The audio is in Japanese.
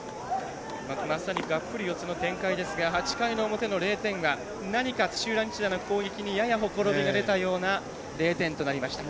まさにがっぷり四つの展開ですが８回の表の０点は土浦日大の攻撃にほころびが出たような０点となりました。